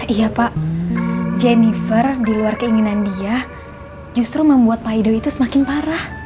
iya pak jennifer di luar keinginan dia justru membuat pak ido itu semakin parah